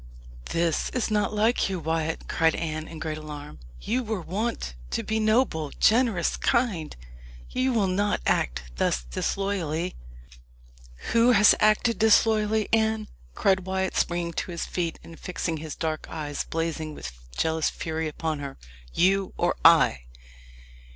"This is not like you, Wyat," cried Anne, in great alarm. "You were wont to be noble, generous, kind. You will not act thus disloyally? "Who has acted disloyally, Anne?" cried Wyat, springing to his feet, and fixing his dark eyes, blazing with jealous fury, upon her "you or I?